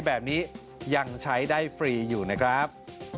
แบบนี้ยังใช้ได้ฟรีอยู่นะครับ